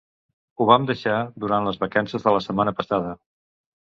Ho vam deixar durant les vacances de la setmana passada